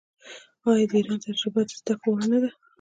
آیا د ایران تجربه د زده کړې وړ نه ده؟